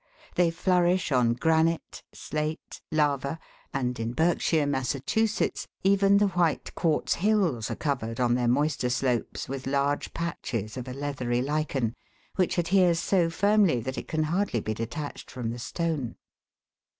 They flourish on granite, slate, lava, and in Berkshire (Mass.) even the white quartz hills are covered on their moister slopes with large patches of a leathery lichen, which adheres so firmly that it can hardly be detached from the stone.